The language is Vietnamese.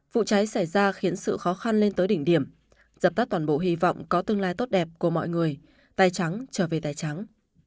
vụ cháy xảy ra khiến sự khó khăn lên tới đỉnh điểm dập tắt toàn bộ hy vọng có tương lai tốt đẹp của mọi người tay trắng trở về tài trắng